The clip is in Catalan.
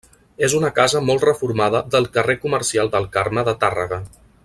És una casa molt reformada del carrer comercial del Carme de Tàrrega.